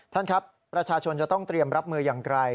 ท่านครับประชาชนจะต้องเตรียมรับมืออย่างไกล